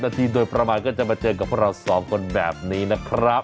นาทีโดยประมาณก็จะมาเจอกับพวกเราสองคนแบบนี้นะครับ